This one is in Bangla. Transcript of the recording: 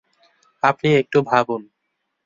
আপনি একটু ভাবুন।